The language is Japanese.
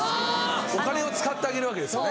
お金を使ってあげるわけですね。